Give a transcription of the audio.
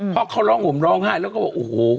เพราะเขาลองยอมลองห้ายก็ว่าโห